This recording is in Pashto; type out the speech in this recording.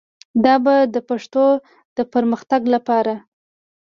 دا به د پښتو د پرمختګ لپاره